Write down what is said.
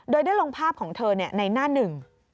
โดยได้ลงภาพของเธอในหน้าหนึ่ง